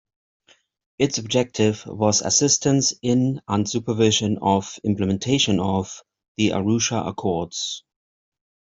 Its objective was assistance in and supervision of implementation of the Arusha Accords.